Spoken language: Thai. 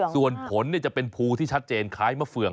ส่วนผลจะเป็นภูที่ชัดเจนคล้ายมะเฟือง